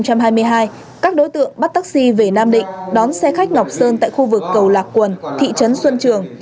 các đối tượng bắt taxi về nam định đón xe khách ngọc sơn tại khu vực cầu lạc quần thị trấn xuân trường